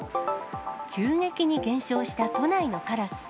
急激に減少した都内のカラス。